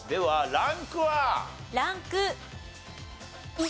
ランク１。